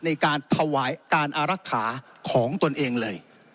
ในการถวายการอารักษาของตนเองเลย